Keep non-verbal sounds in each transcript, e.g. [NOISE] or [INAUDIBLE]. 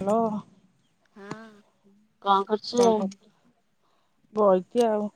Hello. ହୁଁ କଣ କର କଣ କର୍ ବଇଛି ଆଉ।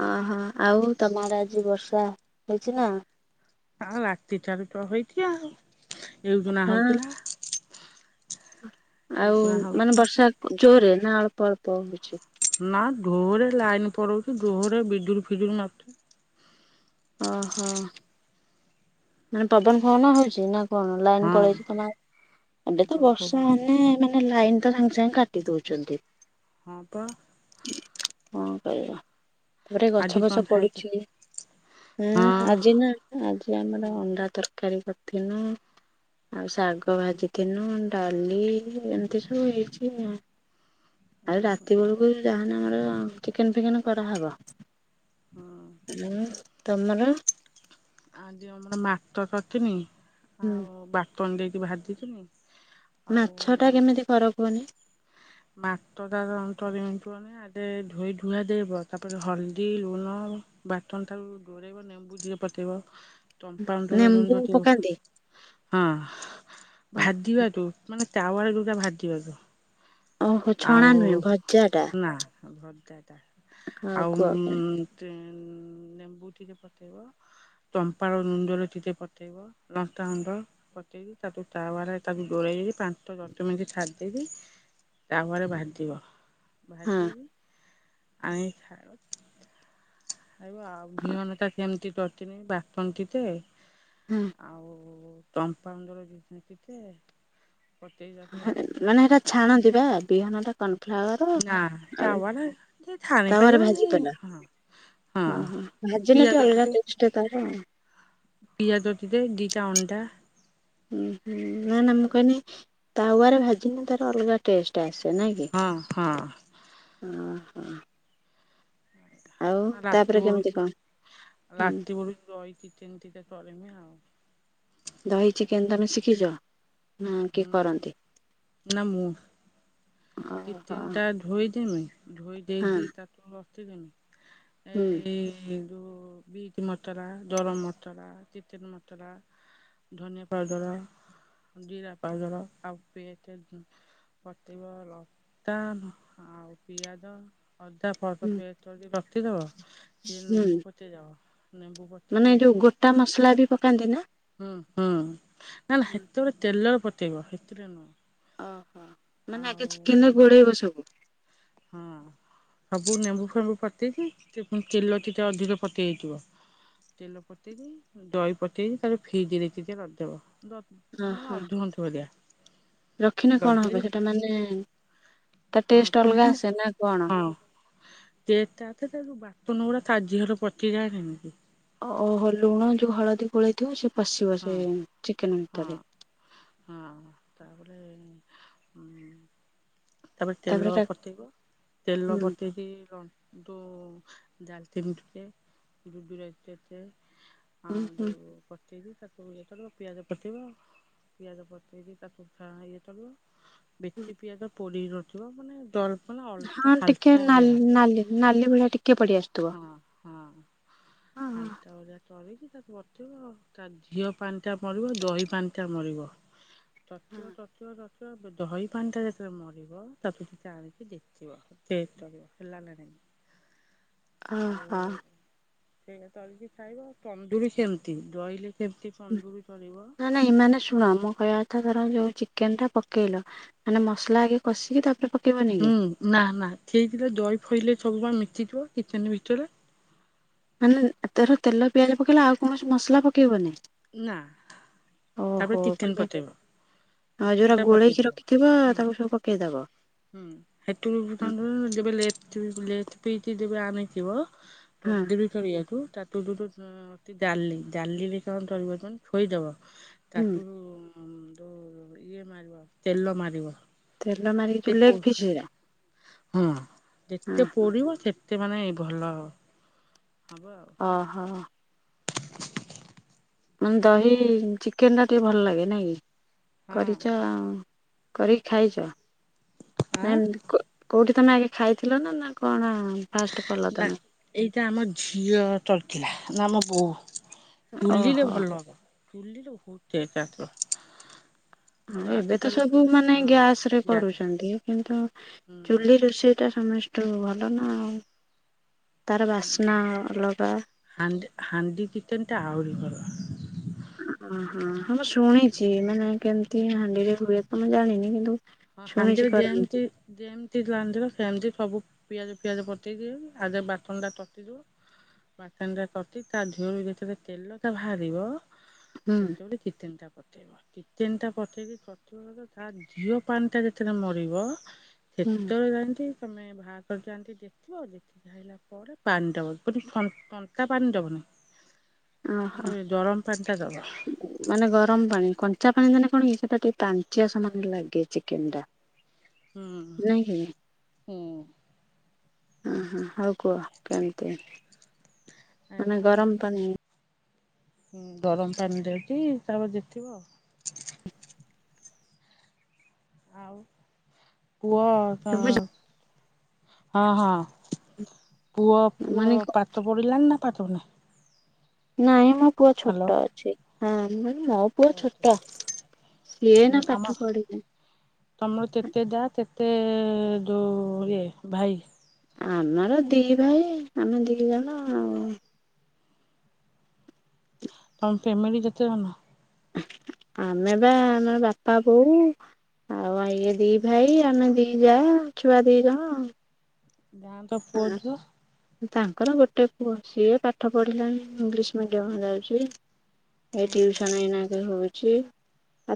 ଅ ହଁ ଆଉ ତମ ଆଡ଼େ ଆଜି ବର୍ଷା ହେଇଛି ନା? ହଁ ରାତି ଠାରୁ ତ ହେଇଛି ଆଉ ଏଉଜ ନା ହଁ ହଉଥିଲା। ଆଉ ଏଇଜୁଣା ମାନେ ହଉଥିଲା ବର୍ଷା ଜୋରରେ ନା ଅଳ୍ପ ଅଳ୍ପ ହଉଛି? ନା ଡୋରେ ଲାଇନ ପଳଉଛି ଡୋରେ ବିଜୁୁଳି ଫିଜୁଳି ମାରୁଛି। ଅ ହ। ମାନେ ପବନ ଫବନ ହଉଛି ନା କଣ? ଲାଇନ ହଁ ପଳେଇଛି ତ ଏବେ ତ ପବନ ବର୍ଷା ପବନ ହଉନି ମାନେ ଲାଇନ ତ ସାଙ୍ଗେ ସାଙ୍ଗେ କାଟି ଦଉଛନ୍ତି। ହଁ ତ କଣ କରିବା? ତାପରେ ଗଛ ଆଜି କଣ ବଛ ଖାଇଛ? ପଡୁଛି ହଁ ଆଜି ନା ଆଜି ଆମର ଅଣ୍ଡା ତରକାରୀ କରିଥିନୁ ଆଉ ଶାଗ ଭାଜି ଥିନୁ ଡାଲି ଏମିତି ସବୁ ହେଇଛି ଆଉ ଆଉ ରାତି ବେଳକୁ ଯାହାନେ ଆମର ଚିକେନ ଫିକେନ କରାହେବ। ହଁ। ହୁଁ ତମର? ଆଜି ଆମର ମାକ କରିଥିନି ହୁଁ। ମୁଁ ବାଟନ ଦେଇକି ଭାଜି ଥିଲି। ମାଛ ଟା କେମିତି କର କୁହନି। ମାତଟା [UNINTELLIGIBLE] ଧୋଇ ଧୁଆ ଦେଇବ ତାପରେ ହଳଦୀ ଲୁଣ ବାଟନ ଟାକୁ ଡୁରେଇ ନେମ୍ବୁ ଟିକେ ପକେଇବ ନେମ୍ବୁ ତମ [UNINTELLIGIBLE] ପକାନ୍ତି ହଁ ଭାଜିବା ତୁ ମାନେ ତାୱଳ ଯୋଉଟା ଭାଜିବା ତ। ଓହୋ ଆଉ ଛଣା ନୁହେଁ ଭଜା ଟା ନା ଭଜାଟା ଆଉ କୁହ କେମି ଲେମ୍ବୁ ଟିକେ ପକେଇବ ଚମ୍ପାଳ ନୁଜର ଟେ ପତେଇବ। ଲଙ୍କା ଗୁଣ୍ଡ ପତେ ତାକୁ ତାୱା ରେ ତାକୁ ଘୋଡ଼େଇ ପାଞ୍ଚ ଦଶ ମିନିଟ ଛାଡ଼ି ଦେବି ତାପରେ ଭାଜିବ ହଁ ଭାଜିକି ଆଣିକି ଖାଇବ। ଆ ଆଉ ବିହନ ଟା କେମିତି ଟଡଟିନି ବାଟଟି ତ ହୁଁ। ଆଉ ତମ୍ପାଉଣ୍ଡର ଜିନିଷ କେତେ ମାନେ ସେଇଟା ଛାଣନ୍ତି ବା ବିହନ ଟା କର୍ନ ନା ଫ୍ଲାୱାର ଆଉ ତାୱାରେ ଯେ ଛାଣି ତାପରେ ପାରିବନି ଭାଜି ପଲା ହଁ ହଁ। ଓଁ ହୋ ଭାଜନା ପିଆଜ ଟେ ଅଲଗା ଟିକେ ଟେଷ୍ଟ ତାର। ପିଆଜ ଟିକେ ଦିଟା ଅଣ୍ଡା ଉୁଁ ହୁଁ ନା ନା ମୁଁ କହନି ତାୱରେ ଭାଜିନେ ତାର ଅଲଗା ଟେଷ୍ଟ ଆସେ ନାଇଁ କି, ହଁ ହଁ ଓହୋ। ହଁ ତାପରେ ରାତି କେମିତି ବଢୁଛି, କଣ ହୁଁ ରାତି ବଢୁଛି ରହିକି ଚିକେନ କରିବି ଆଉ। ଦହି ଚିକେନ ତମେ ଶିଖିଛ, ନା ହୁଁ କିଏ କରନ୍ତି? ଓହୋ ଚିକେନ ହଁ ଟା ଧୋଇ ଦମି ଧୋଇ ହୁଁ ଦେଇଦ ତାକୁ ରଖି ଦମି। ହୁଁ ଏଇ ଯେଉଁ ବିଟ୍ ମସଲା, ଦରମ୍ ମସଲା, ଚିତେନ ମସଲା ଧନିଆ ପାଉଡର। ଦିରା ପାଉଡ଼ର ଆଉ ପେଷ୍ଟ [UNINTELLIGIBLE] ଆଉ ପିଆଜ ଅଦା ଭଲ ସେ ପେଷ୍ଟ କରି ରଖିଦବ। କି ହୁଁ ନିମ୍ବୁ ପଟେ ଯା, ନେମ୍ବୁ ପ ମାନେ ଯୋଉ ଗୋଟା ମସଲା ବି ପକାନ୍ତି ନା? ହୁଁ ହୁଁ ନା ନା ସେତେବେଳେ ତେଲର ପତେଇବ ସେଥିରେ ନୁହଁ। ଓହୋ ମାନେ ଆଗ ଆଉ ଚିକେନରେ ନେମ୍ବୁ ଗୋଡ଼େଇବ ସବୁ? ହଁ। ସବୁ ନେମ୍ବୁ ଫେମ୍ବୁ ପତେଇକି ଟିକେ ପୁଣି ତେଲ ଟିକେ ଅଧିକ ପକେଇ ଥିବ ତେଲ ପତେଇ ଦେଇ ଦହି ପତେଇ ଦେଇ, ତାର ଫ୍ରିଜ ରେ ଟିକେ ରଖିଦବ। ହଁ ମାନେ ଅଧ ଘଣ୍ଟେ ଭଳିଆ। ରଖିନେ କଣ ରଖିଦେଇ ହବ ସେଟା ମାନେ ତା ହଁ ଟେଷ୍ଟ ଅଲଗା ଆସେ ନା କଣ? ହଁ। କେ ଟା ତାଉ ବାଟନ ଗୁଡା ତା ଦିହରେ ପଚିଯାଏ ଯେମତି। ଓହୋ ଲୁଣ ଯୋଉ ହଳଦୀ ଗୋଳେଇଥିବ ସେ ପଶିବ ହଁ ସେ ଚିକେନ ହଁ ଭିତରେ? ହଁ ତାପରେ ଉ ତାପରେ ତେଲ ପତେଇବ, ତେଲ ହୁଁ ପତେଇକି ଲନ୍ ଯୋଉ ଦାଲତିନୀ ଟିକେ, ଯୁଜୁରାତି ଟିକେ ହୁଁ ହୁଁ। ପେଇକି ତାକୁ ଇଏ ଚଲିବ, ପିଆଜ ପତେଇବ, ପିଆଜ ପତେଇକି ତାକୁ ଇଏ କରିବ। ବେତି ପିଆଜ ପୋଡ଼ିକି ରଖିବ, ମାନେ ଦର ହଁ ଟିକେ ନାଲ-ନାଲି ନାଲି ଭଳିଆ ଟିକେ ପଡି ଆସଥିବ। ହଁ ହଁ ହାଲତା ଓଳିଆ ତରିକି ତାକୁ ତା ଝିଅ ପାଣିଟା ମରିବ, ଦହି ପାଣିଟା ମରିବ, ତତିବ ତତିବ ତତି ଦହି ପାଣି ଟା ଯେତେବେଳେ ମରିବ ତାକୁ ଟିକେ ଆଣିକି ଦେଖିବ। ତେଟ କରିବ ହେଲା ନା ନାହିଁ। ଓ ହଁ। ସେଇଟା ତଳିକି ଖାଇବ, ତନ୍ଦୁୁରୀ କେମିତି, ରହିଲେ କେମିତି ତନ୍ଦୁୁରୀ କରିବ। ନାଇଁମାନେ ଶୁଣ ମୋ କହିବା କଥା ଧର ଯୋଉ ଚିକେନ ଟା ପକେଇଲ ମାନେ ମସଲା ଆଗେ କଷିକି ତାପରେ ପକ ହୁଁ ନା ନା ଠିକ୍ରେ ଦହି ଫଇଲେ ସବୁବେଳେ ମିତିଯିବ ତିତେନ ଭିତରେ। ମାନେ ଧର ତେଲ ପିଆଜ ପକେଇଲା ଆଉ କୌଣସି ମସଲା ପକେଇବନି? ନା ତାପରେ ଓହୋ। ଆଉ ଚିକେନ ପକେଇବ ଦି ଯୋଉଗୁରା ତିନିଟା ଗୋଳେଇକି ପକେଇଦବ। ରଖିଥିବ ହୁଁ ତାକୁ ସବୁ ପକେଇଦବ? ହୁଁ ସେଥିରୁ ତା ଯେବେ ଲେଟ ଲେଟ ପିତ୍ ଯେବେ ଆଣିଥିବ ହଁ ତନ୍ଦୁରି କୁ ତାୁ ଦ ଅ ଦାଲି ଦାଲିରେ କଣ ତରିବ ଛୋଇଦବ। ହୁଁ ତାଠୁ ଯୋଉ ଇଏ ମାରିବ ତେଲ ମାରିବ। ତେଲ ମାରିକି ଯେତେ ଥିଲେ ପୋ କି ସିଏ। ହଁ ଯେତେ ପୋଡ଼ିବ ସେତେ ମାନେ ଭଲ ହବ ଆଉ। ଅହୋ। ଦହି ଆଉ ଚିକେନ୍‌ ଟା ଟିକେ ଭଲ ଲାଗେ ନାଇଁ କି ହଁ କରିଛ ଆ କରିକି ଖାଇଛ ଆଁ ନାଇ ବା କୋଉଠି ତମେ ଆଗେ ଖାଇଥିଲ ନା ନ କଣ ହଁ ଫାଷ୍ଟ କଲ ନା ତମେ। ଏଇଟା ଆମ ଝିଅ ଚଢ଼ିଥିଲା ନା ମୋ ବୋହୂ ଚୁଲିଲେ ଓହୋ। ଭଲ। କିଏ ଡ଼ାକ ଏବେ ତ ସବୁ ମାନେ ଗ୍ୟାସ୍‌ରେ ଗ୍ୟାସ କରୁଛନ୍ତି କିନ୍ତୁ ହୁଁ ଚୁଲି ରୋଷେଇ ସେଟା ସମସ୍ତ ଟୁ ଭଲ ନା ଆଉ ତାର ବାସ୍ନା ଅଲଗା। ହାଣ୍ଡି ହାଣ୍ଡି ଚିକେନ୍‌ ଟା ଆହୁରି ଭଲ। ଓହୋ ମୁଁ ଶୁଣିଛି ମାନେ କେମିତି ହାଣ୍ଡିରେ ହୁଏ ତ ମୁଁ ଜାଣିନି କିନ୍ତୁ ହ ଶୁଣିଛି ହାଣ୍ଡିରେ କରନ୍ତି ଯେମିତି ଯେମିତି ରାନ୍ଧିବ ସେମିତି ସବୁ ପିଆଜ ଫିଆଜ ପକେଇକି ଆଗେ ବାଟନ୍‌ ଟା କସିକି ବାଟନ୍‌ ଟା କଶିକି ତା ଧିଅରୁ ଯେତେବେଳେ ତେଲଟା ବାହାରିବ ହୁଁ ସେତେବେଳେ ଚିକେନ୍‌ ଟା ପଠେଇବ ଚିକେନ ଟା ପଠେଇକି [INAUDIBLE] ତା ଝିଅ ପାଣି ଟା ଯେତେବେଳେ ମରିବ ସେତେବେଳେ ଯାଇକି ତମେ ବାହାର କରିକି ଦେଖିବ ଆଉ [INAUDIBLE] ତାପରେ ପାନ୍ ଡବ [UNINTELLIGIBLE] ଥ ଥଣ୍ଡା ପାଣି ଦବନି ଓହୋ। [UNINTELLIGIBLE] ଗରମ୍‌ ପାନ୍ ଟା ଦବ। ମାନେ ଗରମ ପାଣି କଞ୍ଚା ପାଣି ଦେନେ କଣ କି ସେଟା ଟିକେ ପାଞ୍ଚିଆ ସମାନ ଲାଗେ ଚିକେନ୍‌ ଟା। ହୁଁ ନାଇଁ କି ହଁ। ହଁ ହଁ ହଉ କୁହ କେମିତି ମାନେ ଆଜ୍ଞା। ଗରମ ପାଣି ଗରମ ପାଣି ଦେଇକି ତାପରେ ଦେଖିବି ଆଉ। [INAUDIBLE] ଆଉ ପୁଅ ତ ଶୁଭୁଚି ହଁ ହଁ। ପୁଅ ପୁଅ ମାନେ ପାଠ ପଡ଼ିଲାଣିି ନା ପାଠ ନା ନାଇଁ ମୋ ପୁଅ ହ୍ୟାଲୋ। ଛୋଟ ଅଛି ହଁ ମୁଁ କନି ମୋ ପୁଅ ଛୋଟ। ସିଏ ଏନା ଆମ ପାଠ ପଢି ନେଇଁ। ତମର କେତେ ଯା କେତେ ଯୋଉ ଇଏ ଭାଇ। ଆମର ଦି ଭାଇ ଆମେ ଦି ଜଣ ଆଉ ତମ ଫ୍ୟାମିଲି କେତେ ଜଣ। ଆମେ ବା ଆମ ବାପା ବୋଉ ଆଉ ଏ ଦି ଭାଇ ଆମେ ଦି ଯା ଛୁଆ ଦି ଜଣ ଆଉ। ତା ଙ୍କ ପୁଅ ଝିଅ। ତାଙ୍କର ଗୋଟେ ପୁଅ ସିଏ ପାଠ ପଢ଼ିଲାଣି ଇଂଲିଶ୍ ମିଡିୟମ୍ ଯାଉଛି। ଏ ହୁଁ ଟିଉସନ୍‌ ଏଇନାକ ହଉଛି।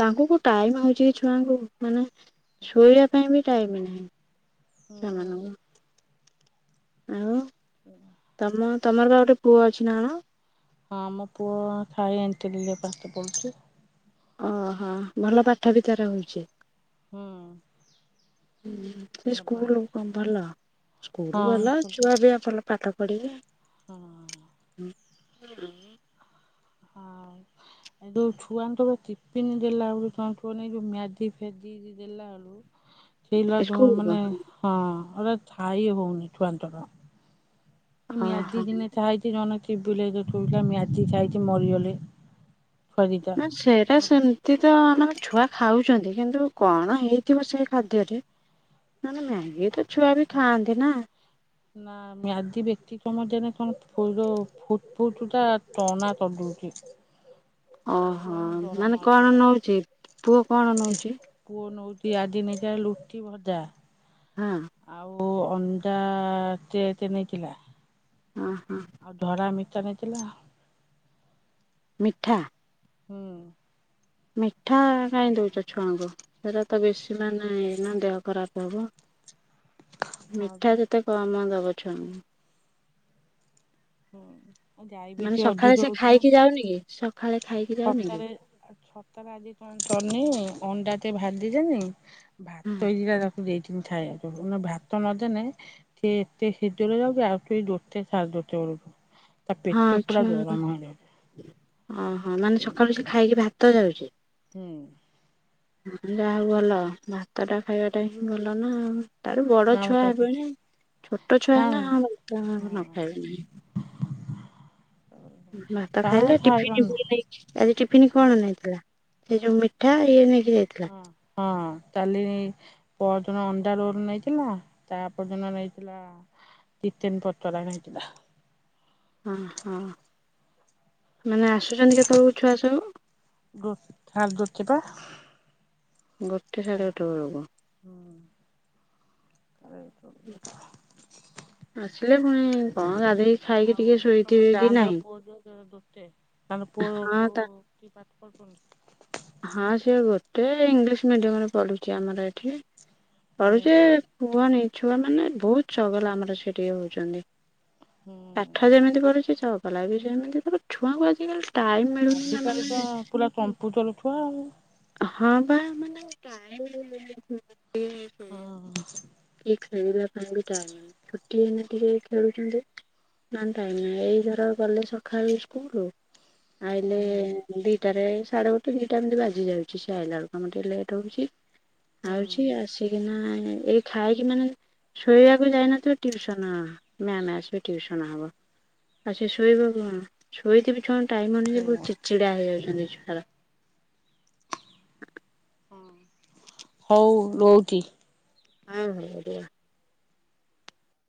ତାଙ୍କ କୁ ଟାଇମ୍ ହଉଛି କି ଛୁଆଙ୍କୁ ମାନେ ଶୋଇବା ପାଇଁ ବି ଟାଇମ୍ ନାହିଁ ହୁଁ। ସେମାନଙ୍କୁ। ଆଉ ତମ ତମର ବା ଗୋଟେ ପୁଅ ଅଛି ନା କଣ? ହଁ ମୋ ପୁଅ ଥାଇ ଏନ୍‌ଟନି ରେ ପାଠ ପଢୁଛି। ଅହୋ ଭଲ ପାଠ ବି ତାର ହଉଛି। ହଁ। [UNINTELLIGIBLE] ସ୍କୁଲ ହଉଛି। ଭଲ ସ୍କୁଲ ଭଲ ହଁ ଛୁଆ ବି ଆ ଭଲ ପାଠ ପଢ଼ିବେ। ହଁ। ହଁ, [INAUDIBLE] ହଁ। ଦଉ ଛୁଆଙ୍କର, ଟିପିନ୍ ଦେଲା ଳୁ କଣ କୁହନି କି ଯୋଉ ମ୍ୟାଗି ଫେଗି ଯେ ଦେଲା ଆଳୁ ସେଇଲା ଥ, ସ୍କୁଲ ମାନେ ହଁ, ଗଟେ ଥାଇ ହଉନି ଥୁଆଙ୍କର। ଓହୋ ମ୍ୟାଦି ଦିନେ ଥାଇଥି, ଜଣେ [UNINTELLIGIBLE] ମ୍ୟାଦି ଥାଇଥି ମରିଅଲେ। ନା ସେଇଟା ସେନ୍ ଏମିତି ତ ଆମ ଛୁଆ ଖାଉଛନ୍ତି, କିନ୍ତୁ କଣ ହେଇଥିବ ସେଇ ଖାଦ୍ୟରେ? ନା, ନା, ମ୍ୟାଗି ତ ଛୁଆ ବି ଖାଆନ୍ତି ନା! ନା। ମ୍ୟାଦି ବେତି ସମୟ ଦେନେ ତଣ ଫୁରୋ ଫୁଟ୍ ଫୁଟ୍ ଟା ଟଣା ତରଦଉଛି। ଓହୋ! ମାନେ ମାଡୁଛି କଣ ତାକୁ। ନଉଛି, ପୁଅ କଣ ନଉଛି? ପୁଅ ନଉଟି, ଆଦି ନେଇଥିଲା ଲୁଟି ଭଜା। ହଁ। ଆଉ ଅଣ୍ଡା ତେତ୍ ନେଇକିଲା। ହଁ, ହଁ। ଆଉ ଧରା ମିଠା ନେଇଥିଲା। ମିଠା। ହୁଁ। ମିଠା କାଇଁ ଦଉଛ ଛୁଆଙ୍କୁ? ସେଇରା ତ ବେଶୀ ମାନେ ନା ଦେହ ଖରାପ ହବ। ହଁ ମିଠା ବା ଯେତେ କମ ଦବ ଛୁଆଙ୍କୁ। ହୁଁ, ମାନେ ଡାଇବେଟି ସକାଳେ ସେ ଅଧିତ ହଉଛି ଖାଇକି ନା। ଯାଉନି କି? ସଖାଳେ ଖାଇକି ଯାଉନି କି ସତାରେ ଆ ଛ ସକାଳେ ଆଜି ତଣ କନି ଅଣ୍ଡା ଟେ ଭାଦି ଦେନି। ହଁ ଭାତ ଦିତା ରଖ ଦେଇଥିନି ଥାଇବାକୁ। ଭାତ ନଦେନେ ସେ ଏତେ ଶିଦର ଯାଉଛି ଆଉଛି, ଦୋଟେ ସାଡ଼େ ଦୋଟେ ବେଳକୁ। ତା ହଁ, ପେଟ ପୁରା ଆଛା, ଗରମ ହେଇଯାଉଛି। ଓହୋ! ମାନେ ସକାଳୁ ସେ ଖାଇକି ଭାତ ଯାଉଛି। ହୁଁ। ଯାହା, ହଉ ଭଲ। ଭାତ ଟା ଖାଇବାଟା ହିଁ ଭଲ ନା ଆଉ। ତାର ବଡ ନା ମୁଁ ଛୁଆ ତାକୁ ହେବେଣି। ଛୋଟ ଛୁଆ ନା ହେନେ ହଁ [UNINTELLIGIBLE] ନ ହଁ ଖାଇବେ ନାହିଁ। ଭାତ ତାର ଖାଇଲେ ଖାଇବା ଟିଫିନ୍ [INAUDIBLE] ନେଇକି ଆଜି ଟିଫିନ୍ ନୁହଁ। କଣ ନେଇଥିଲା? ସେ ଯୋଉ ମିଠ୍ ହଁ, ହଁ, ତାହେଲେ ପଅରଦିନ ଅଣ୍ଡା ରୋଲ୍ ନେଇଥିଲା। ତା'ପର ଦିନ ନେଇଥିଲା ତିତେନ୍ ପତୋରା ନେଇଥିଲା। ଓହୋ! ମାନେ ଆସୁଛନ୍ତି କେତେବେଳକୁ ଛୁଆ ସବୁ? ଗୋ ଥାର୍ ଦୋତେ ପା। ଗୋଟେ ସାଢ଼େ ଗୋଟେ ବେଳକୁ ହୁଁ। ଉଁ ଆସିଲେ ପୁଣି କଣ ଗାଧେଇ ଆଉ ତମ ଯା ନ୍ତର ର ପୁଅ ଧୀୟ ଦୋ-ଦୋତେ ତାର ପୁଅ ହଁ ତା ଦଉ [UNINTELLIGIBLE] ହଁ ସିଏ ଗୋଟେ ଇଂଲିଶ ମିଡିୟମ ରେ ପଢୁଚି ଆମର ଏଠି। ହୁଁ ପଢୁଚି କୁହନି ଛୁଆମାନେ ବହୁତ ଚଗଲା ଆମର ସେ ଟିକେ ହଉଚନ୍ତି। ହୁଁ ପାଠ ଯେମିତି ପଢୁଚି ଚଗଲା ବି ସେମିତି। ତାପରେ ଛୁଆଙ୍କୁ ଆଜିକାଲି ଟାଇମ ମିଳୁନି ନା ଆଜିକାଲି ପା ମାନେ ପୁରା କମ୍ପୁଟର ଛୁଆ ଆଉ। ହଁ ବା ମାନେ। [UNINTELLIGIBLE] ହଁ। ଟିକେ ଖେଳିବା ପାଇଁ ବି ଟାଇମ୍ ନାହିଁ। ଛୁଟି ଏଇନେ ଟିକେ ଖେଳୁଛନ୍ତି। ମାନେ ଟାଇମ ନାହିଁ। ଏଇ ଧର ଗଲେ ସଖାଳୁ ସ୍କୁଲ ଆଇଲେ ହୁଁ ଦିଟାରେ ସାଢେ ଗୋଟେ ଦିଟା ଏମିତି ବାଜି ଯାଉଚି ସିଏ ଆଇଲା ବେଳକୁ। କାମ ଟିକେ ଲେଟ୍ ହଉଚି। ହୁଁ ଆଉଚି ଆସିକିନା ଏଇ ଖାଇକି ମାନେ ଶୋଇବାକୁ ଯାଇନଥିବ ଟ୍ୟୁସନ ମ୍ୟାମ୍ ଆସିବେ ଟିଉସନ ହବ। ଆଉ ସେ ଶୋଇବା କଣ। ଶୋଇଥିବି ଛୁଆଙ୍କୁ ଟାଇମ ହଉନି ଯେ ସେଇଆ ବହୁତ୍ ଚିଡ ଚିଡା ହେଇଯାଉଛନ୍ତି ଛୁଆରା। ହଉ ରହୁଚି। ହଁ ହଉ ରୁହ।